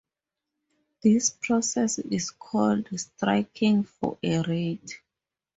This process is called "striking for a rate".